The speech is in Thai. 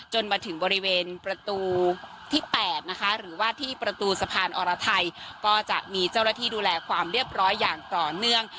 จนถึงบริเวณประตูที่๘นะคะหรือว่าที่ประตูสะพานอรไทยก็จะมีเจ้าหน้าที่ดูแลความเรียบร้อยอย่างต่อเนื่อง